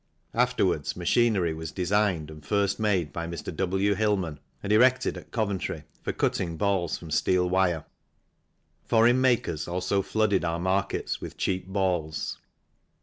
Afterwards machinery was designed and first made by Mr. W. Hillman and erected at Coventry for cutting balls from steel wire. Foreign makers also flooded our markets with cheap balls.